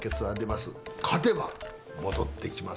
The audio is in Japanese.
勝てば戻ってきますよ。